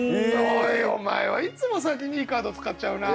お前はいつも先にいいカード使っちゃうな。